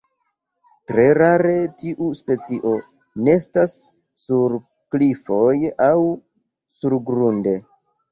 Tre rare tiu specio nestas sur klifoj aŭ surgrunde.